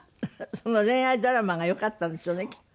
その恋愛ドラマがよかったんですよねきっと。